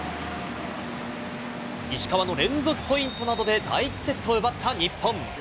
石川の連続ポイントなどで第１セットを奪った日本。